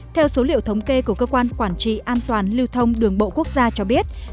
theo số liệu thống kê của cơ quan quản trị an toàn lưu thông đường bộ quốc gia cho biết